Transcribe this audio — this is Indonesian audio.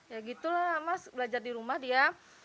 ya gitu lah mas belajar di rumah dia